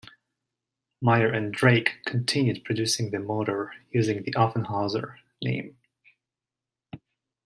Meyer and Drake continued producing the motor using the Offenhauser name.